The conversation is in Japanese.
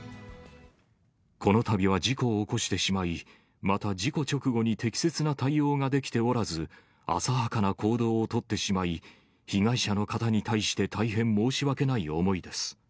このたびは事故を起こしてしまい、また、事故直後に適切な対応ができておらず、浅はかな行動を取ってしまい、被害者の方に対して大変申し訳ない思いです。